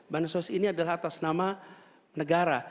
bansos ini adalah atas nama negara